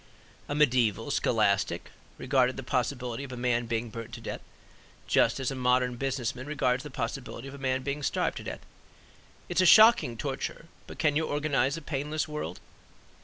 A mediaeval scholastic regarded the possibility of a man being burned to death just as a modern business man regards the possibility of a man being starved to death: "It is a shocking torture; but can you organize a painless world?"